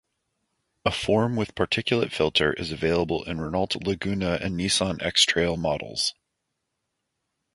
A form with particulate filter is available in Renault Laguna and Nissan X-Trail models.